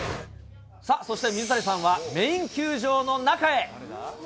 さあ、そして水谷さんはメイン球場の中へ。